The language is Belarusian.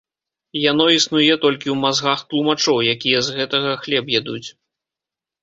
Яно існуе толькі ў мазгах тлумачоў, якія з гэтага, хлеб ядуць.